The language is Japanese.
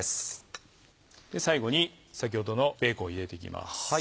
最後に先ほどのベーコンを入れていきます。